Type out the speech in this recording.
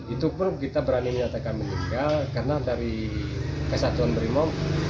itu pun kita berani menyatakan meninggal karena dari kesatuan brimob